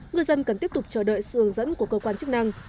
ngư dân cần tiếp tục chờ đợi sự hướng dẫn của cơ quan chức năng